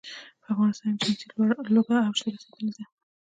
په افغانستان کې جنسي لوږه اوج ته رسېدلې ده.